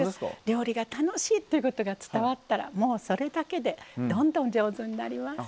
料理が楽しいということが伝わったらもうそれだけでどんどん上手になります。